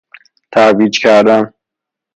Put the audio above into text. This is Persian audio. ترویج کردن